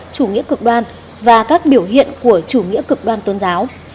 chủ nghĩa cực đoan và các biểu hiện của chủ nghĩa cực đoan tôn giáo